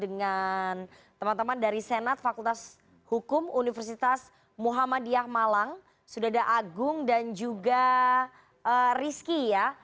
dengan teman teman dari senat fakultas hukum universitas muhammadiyah malang sudada agung dan juga rizky ya